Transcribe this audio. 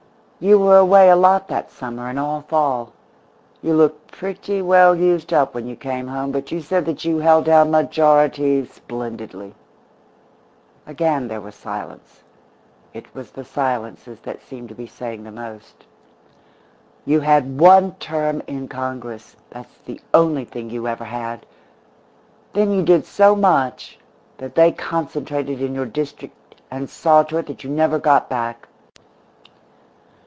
"You were away a lot that summer, and all fall. You looked pretty well used up when you came home, but you said that you had held down majorities splendidly." Again there was silence. It was the silences that seemed to be saying the most. "You had one term in Congress that's the only thing you ever had. Then you did so much that they concentrated in your district and saw to it that you never got back.